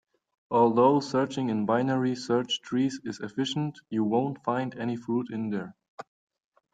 Although searching in binary search trees is efficient, you won't find any fruit in there.